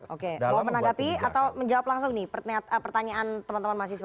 oke mau menanggapi atau menjawab langsung nih pertanyaan teman teman mahasiswa